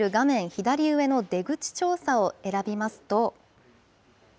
左上の出口調査を選びますと。